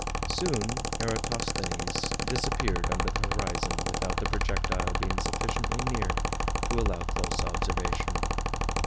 Soon Eratosthenes disappeared under the horizon without the projectile being sufficiently near to allow close observation.